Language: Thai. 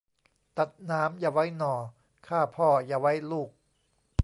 ตัดหนามอย่าไว้หน่อ ฆ่าพ่ออย่าไว้ลูก